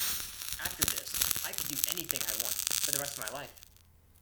After this I could do anything I want, for the rest of my life.